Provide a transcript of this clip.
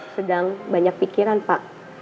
sedang banyak pikiran pak